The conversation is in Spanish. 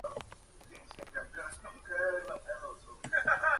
Fue en China, donde se originó.